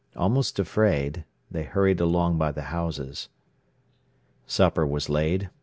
Almost afraid, they hurried along by the houses. Supper was laid.